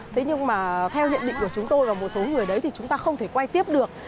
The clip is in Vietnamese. thế nhưng mà theo nhận định của chúng tôi và một số người đấy thì chúng ta không thể quay tiếp được